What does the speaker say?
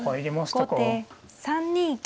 後手３二金。